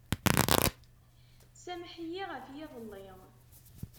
Sameḥ-iyi ɣef yiḍelli.